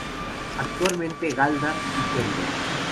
Actualmente Gáldar y Telde.